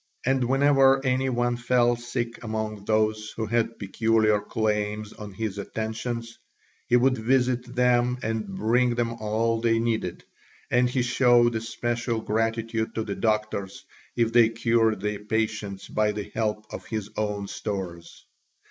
And whenever any one fell sick among those who had peculiar claims on his attentions, he would visit them and bring them all they needed, and he showed especial gratitude to the doctors if they cured their patients by the help of his own stores.